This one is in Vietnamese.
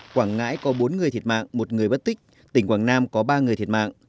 quảng ngãi có bốn người thiệt mạng một người mất tích tỉnh quảng nam có ba người thiệt mạng